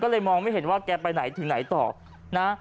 ก็เลยมองไม่เห็นว่าแกไปไหนถึงไหนต่อนะ